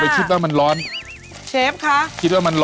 เชฟมาเละให้หน่อย